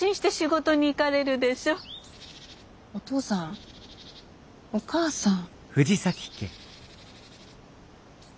お父さんお母さん。